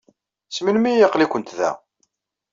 Seg melmi ay aql-ikent da?